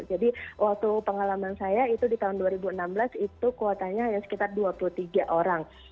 jadi waktu pengalaman saya itu di tahun dua ribu enam belas itu kuotanya sekitar dua puluh tiga orang